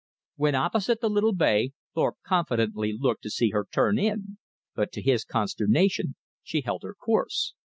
When opposite the little bay Thorpe confidently looked to see her turn in, but to his consternation she held her course.